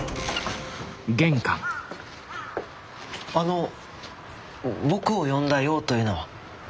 あの僕を呼んだ用というのは？